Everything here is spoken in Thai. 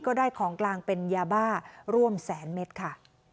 ได้ของกลางเป็นยาบ้าร่วมแสนเมตรค่ะ